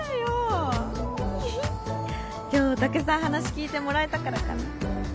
ヒヒッ今日たくさん話聞いてもらえたからかな。